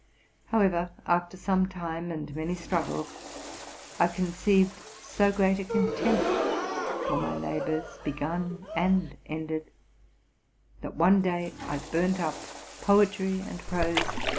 However, after some time and many struggles, I conceived so great a contempt for my labors, heoun and ended, that one "day I burnt up poetry and prose.